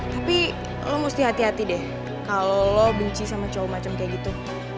tapi lo mesti hati hati deh kalau lo benci sama cowok macam kayak gitu